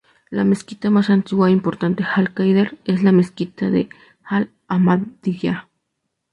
La mezquita más antigua e importante de Al-Khader es la mezquita de al-Hamadiyya.